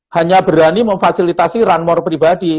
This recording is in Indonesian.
hanya berani memfasilitasi run more pribadi